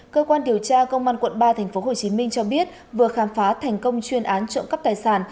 cơ quan điều tra công an quận ba tp hcm cho biết vừa khám phá thành công chuyên án trộm cắp tài sản